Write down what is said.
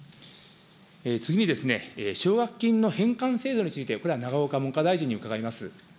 次に、奨学金の返還制度について、これは永岡文科大臣に伺います。